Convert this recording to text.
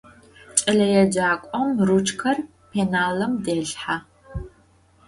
Ç'eleêcak'om ruçker pênalım dêlhhe.